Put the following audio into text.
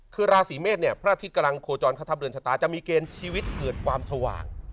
คือราศีเมษเนี่ยพระอาทิตย์กำลังโคจรเข้าทัพเรือนชะตาจะมีเกณฑ์ชีวิตเกิดความสว่าง